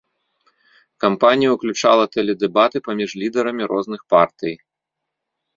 Кампанія ўключала тэледэбаты паміж лідарамі розных партый.